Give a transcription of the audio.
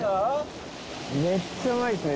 めっちゃうまいですね。